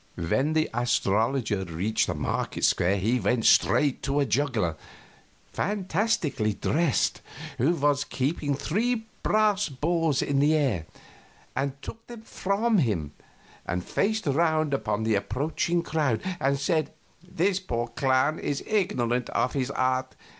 When the astrologer reached the market square he went straight to a juggler, fantastically dressed, who was keeping three brass balls in the air, and took them from him and faced around upon the approaching crowd and said: "This poor clown is ignorant of his art.